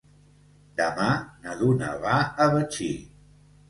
Demà na Duna va a Betxí.